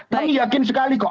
saya yakin sekali kok